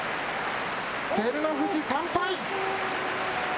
照ノ富士、３敗。